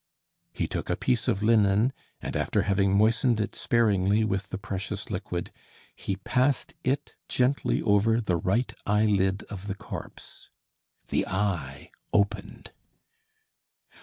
He took a piece of linen and, after having moistened it sparingly with the precious liquid, he passed it gently over the right eyelid of the corpse. The eye opened!